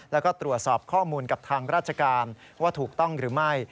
แล้วก็ตรวจสอบข้อมูลกับทางราชการว่าถูกต้องหรือไม่